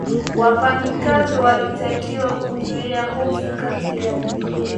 wafanyakazi walitakiwa kuzuia hofu kati ya abiria